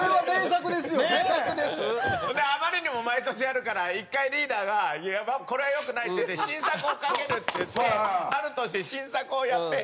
であまりにも毎年やるから一回リーダーがこれはよくないっていうんで「新作をかける」って言ってある年新作をやって。